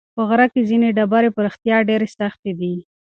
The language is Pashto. په غره کې ځینې ډبرې په رښتیا ډېرې سختې دي.